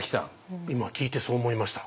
今聞いてそう思いました。